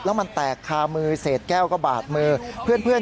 แล้วมันแตกคามือเศษแก้วก็บาดมือเพื่อน